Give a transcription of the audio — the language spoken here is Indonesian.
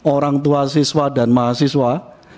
orang tua siswa dan mahasiswa